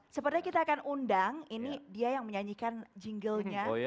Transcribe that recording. sepertinya kita akan undang ini dia yang menyanyikan jinglenya